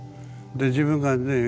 で自分がね